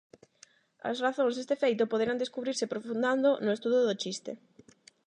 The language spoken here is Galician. As razóns deste feito poderán descubrirse profundando no estudo do chiste.